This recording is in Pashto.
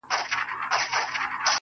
دا رومانتيك احساس دي خوږ دی گراني.